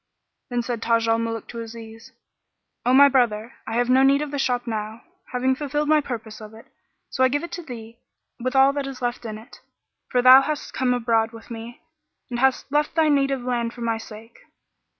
Then said Taj al Muluk to Aziz, "O my brother, I have no need of the shop now, having fulfilled my purpose of it; so I give it to thee with all that is in it; for that thou hast come abroad with me and hast left thy native land for my sake."